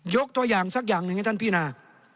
ยกตัวอย่างสักอย่างหนึ่งให้ท่านพินา